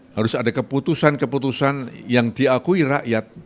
harus ada keputusan keputusan yang diakui rakyat